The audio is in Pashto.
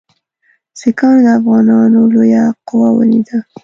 سیکهانو د افغانانو لویه قوه ولیده.